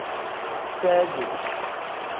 Seedi.